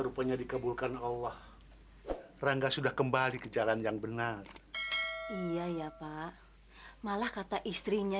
rupanya dikabulkan allah rangga sudah kembali ke jalan yang benar iya ya pak malah kata istrinya